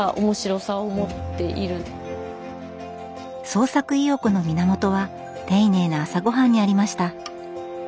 創作意欲の源は丁寧な朝ごはんにありました。